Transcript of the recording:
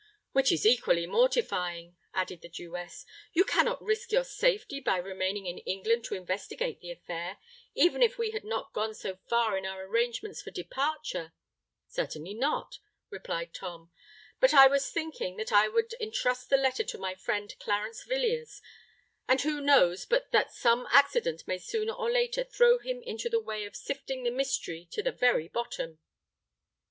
"Which is equally mortifying," added the Jewess. "You cannot risk your safety by remaining in England to investigate the affair—even if we had not gone so far in our arrangements for departure——" "Certainly not," replied Tom: "but I was thinking that I would entrust the letter to my friend Clarence Villiers; and who knows but that some accident may sooner or later throw him into the way of sifting the mystery to the very bottom?"